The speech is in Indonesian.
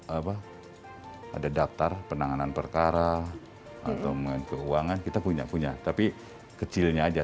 apa ada daftar penanganan perkara atau keuangan kita punya punya tapi kecilnya aja